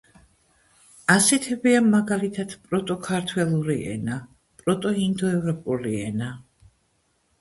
ასეთებია მაგალითად პროტო-ქართველური ენა, პროტო-ინდოევროპული ენა.